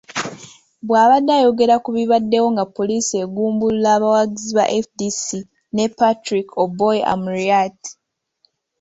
Bw'abadde ayogera ku bibaddewo nga poliisi egumbulula abawagizi ba FDC ne Patrick Oboi Amuriat.